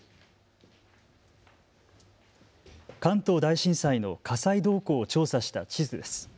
関東大震災の火災動向を調査した地図です。